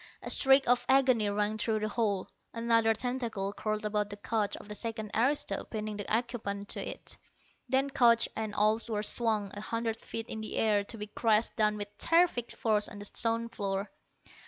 A shriek of agony rang through the hall. Another tentacle curled about the couch of a second aristo, pinning the occupant to it. Then couch and all were swung a hundred feet in the air to be crashed down with terrific force on the stone floor.